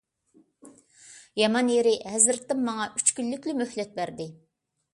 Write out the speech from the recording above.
يامان يېرى، ھەزرىتىم ماڭا ئۈچ كۈنلۈكلا مۆھلەت بەردى.